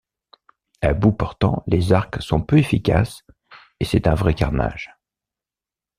À bout portant les arcs sont peu efficaces et c'est un vrai carnage.